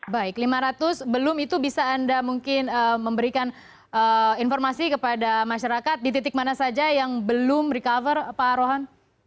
baik lima ratus belum itu bisa anda mungkin memberikan informasi kepada masyarakat di titik mana saja yang belum recover pak rohan